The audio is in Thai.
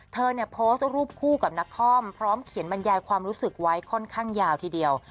เธอเนี่ยโพสต์รูปคู่กับนักคอมพร้อมเขียนบรรยายความรู้สึกไว้ค่อนข้างยาวทีเดียว